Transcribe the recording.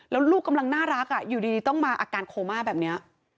แล้วลูกกำลังน่ารักอยู่ดีต้องมาอาการโคม่าแบบนี้